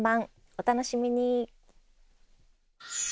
お楽しみに。